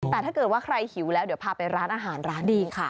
แต่ถ้าเกิดว่าใครหิวแล้วเดี๋ยวพาไปร้านอาหารร้านดีค่ะ